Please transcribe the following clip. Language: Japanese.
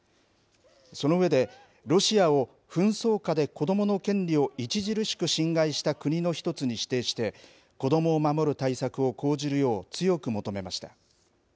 その上で、ロシアを紛争下で子どもの権利を著しく侵害した国の一つに指定して、子どもを守る対策を講じるよう強く求めました。